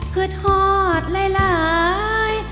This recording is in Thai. ขึ้นหอดหลายหลาย